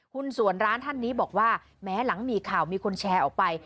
หุ้นส่วนร้านท่านนี้บอกว่าแม้หลังมีข่าวมีคนแชร์ออกไป